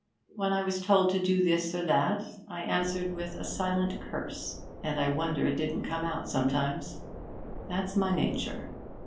When I was told to do this or that, I answered with a silent curse, and I wonder it didn't come out sometimes. That's my nature.